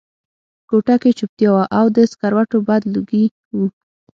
کوټه کې چوپتیا وه او د سګرټو بد لوګي وو